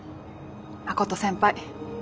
真琴先輩。